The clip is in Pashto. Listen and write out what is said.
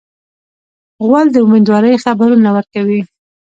غول د امیندوارۍ خبرونه ورکوي.